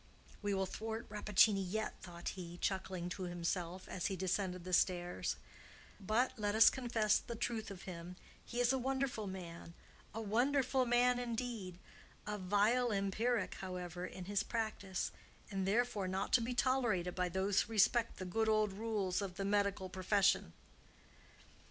"We will thwart Rappaccini yet," thought he, chuckling to himself, as he descended the stairs; "but, let us confess the truth of him, he is a wonderful man—a wonderful man indeed; a vile empiric, however, in his practice, and therefore not to be tolerated by those who respect the good old rules of the medical profession."